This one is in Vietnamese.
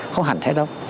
không hẳn thế đâu